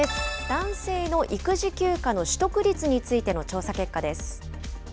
男性の育児休暇の取得率についての調査結果です。